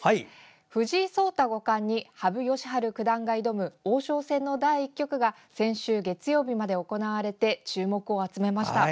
藤井聡太五冠に羽生善治九段が挑む王将戦の第１局が先週月曜日まで行われて注目を集めました。